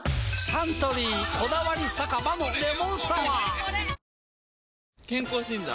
サントリー「こだわり酒場のレモンサワー」健康診断？